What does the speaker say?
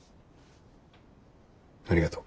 ありがとう。